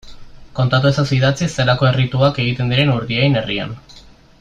Kontatu ezazu idatziz zelako errituak egiten diren Urdiain herrian.